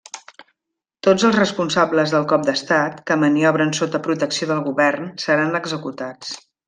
Tots els responsables del cop d'estat, que maniobren sota protecció del govern, seran executats.